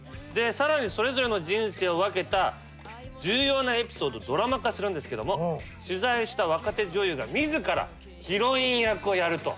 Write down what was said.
更にそれぞれの人生を分けた重要なエピソードをドラマ化するんですけども取材した若手女優が自らヒロイン役をやると。